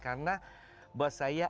karena buat saya